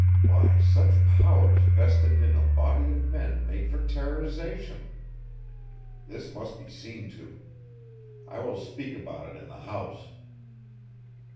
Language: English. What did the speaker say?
Why, such powers vested in a body of men make for terrorisation. This must be seen to. I will speak about it in the House."